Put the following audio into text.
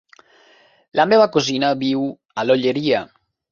La meva cosina viu a l'Olleria.